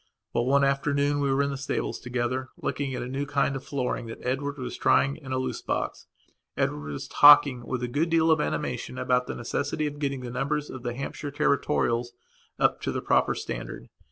Well, one afternoon we were in the stables together, looking at a new kind of flooring that Edward was trying in a loose box. Edward was talking with a good deal of animation about the necessity of getting the numbers of the Hampshire territorials up to the proper standard.